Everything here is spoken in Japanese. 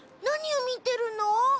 何を見てるの？